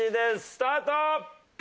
スタート！